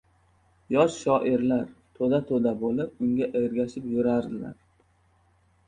Yosh shoirlar to‘da-to‘da bo‘lib unga ergashib yurardilar.